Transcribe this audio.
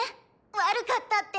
悪かったって。